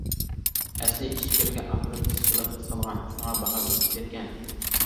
ئەسلى ئىچكىرىگە ئاپىرىپ ئىسكىلاتقا سالغان، شۇڭا باھا ئۈسۈپ كەتكەن.